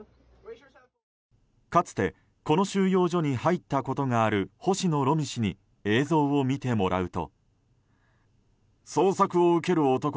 かつて、この収容所に入ったことがある星野ロミ氏に映像を見てもらうと。